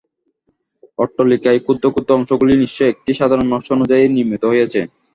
অট্টালিকার ক্ষুদ্র ক্ষুদ্র অংশগুলি নিশ্চয় একটি সাধারণ নকশা অনুযায়ী নির্মিত হইয়াছে।